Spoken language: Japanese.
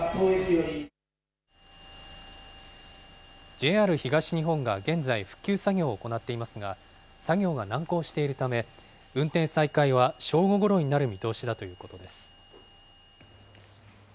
ＪＲ東日本が現在、復旧作業を行っていますが、作業が難航しているため、運転再開は正午ごろになる見通しだということです。